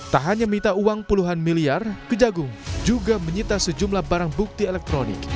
tak hanya minta uang puluhan miliar kejagung juga menyita sejumlah barang bukti elektronik